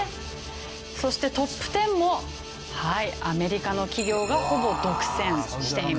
そしてトップ１０もアメリカの企業がほぼ独占しています。